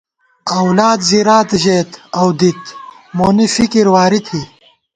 اولاد زِرات ژېت اؤ دِت، مونی فِکِر واری تھی